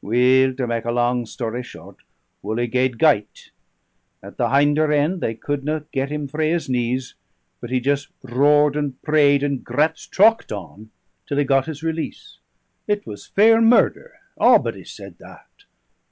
Weel, to mak' a lang story short, Wully gaed gyte. At the hinder end they couldna get him frae his knees, but he just roared and prayed and grat straucht on, till he got his release. It was fair murder, a'body said that.